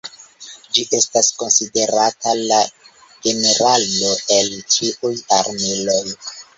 Ĝi estas konsiderata "La Generalo el ĉiuj Armiloj".